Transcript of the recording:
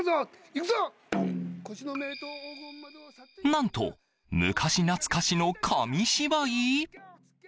何と、昔懐かしの紙芝居？